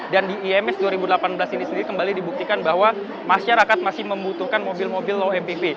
dan di ims dua ribu delapan belas ini sendiri kembali dibuktikan bahwa masyarakat masih membutuhkan mobil mobil low mpv